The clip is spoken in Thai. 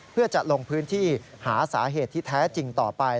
เพื่อจะลงพื้นที่หาสาเหตุที่แท้จริงต่อไป